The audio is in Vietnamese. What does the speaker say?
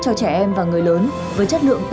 cho trẻ em và người lớn